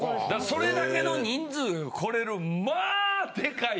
それだけの人数が来れるまあデカイ